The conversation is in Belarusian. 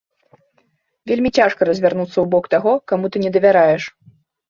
Вельмі цяжка развярнуцца ў бок таго, каму ты не давяраеш.